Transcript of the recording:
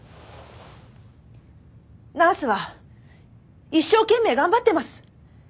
ナースは一生懸命頑張ってます！